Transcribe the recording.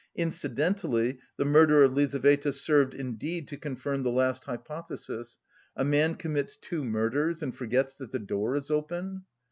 Incidentally the murder of Lizaveta served indeed to confirm the last hypothesis: a man commits two murders and forgets that the door is open!